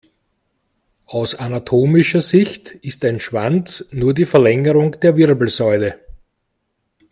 Aus anatomischer Sicht ist ein Schwanz nur die Verlängerung der Wirbelsäule.